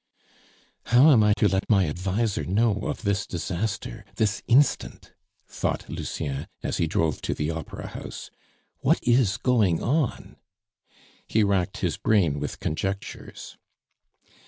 "How am I to let my adviser know of this disaster this instant ?" thought Lucien as he drove to the opera house. "What is going on?" He racked his brain with conjectures.